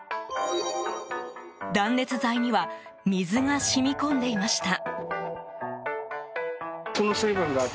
断熱材には水が染み込んでいました。